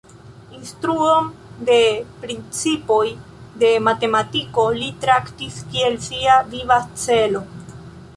Instruon de principoj de matematiko li traktis kiel sia viva celo.